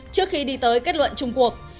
trước khi đi tới kết luận chung cuộc